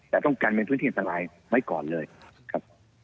แต่ต้องกันเป็นพื้นที่อันตรายไว้ก่อนเลยครับ